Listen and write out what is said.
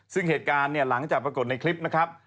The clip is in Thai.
ซึ่งเหตุการณ์เนี่ยหลังจากปรากฏในคลิปนะครับ